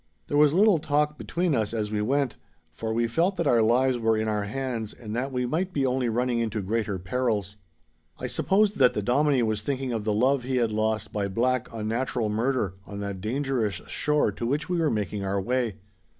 There was little talk between us as we went, for we felt that our lives were in our hands and that we might be only running into greater perils. I supposed that the Dominie was thinking of the love he had lost by black, unnatural murder, on that dangerous shore to which we were making our way.